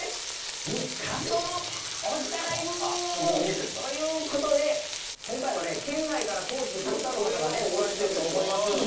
まずは。ということで今回はね県外から高知にたくさんの方が来られてると思います。